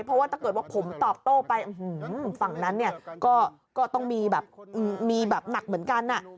เพราะว่าถ้าเกิดว่าผมตอบโต้ไปฝั่งนั้นเนี่ยก็ต้องมีแบบมีแบบหนักเหมือนกัน